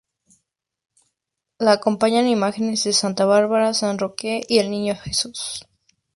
La acompañan imágenes de "Santa Bárbara", "San Roque" y el "Niño Jesús".